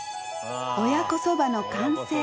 親子そばの完成。